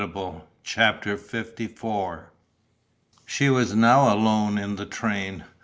CHAPTER LIV She was now alone in the train.